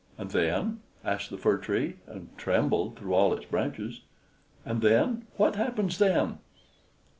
"And then?" asked the Fir Tree, and trembled through all its branches. "And then? What happens then?"